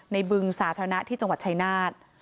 บึงสาธารณะที่จังหวัดชายนาฏ